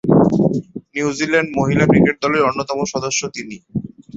New Zealand মহিলা cricket দলের অন্যতম সদস্য তিনি।